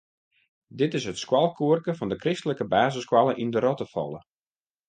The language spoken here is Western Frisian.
Dit is it skoalkoarke fan de kristlike basisskoalle yn Rottefalle.